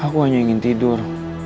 aku hanya ingin tidur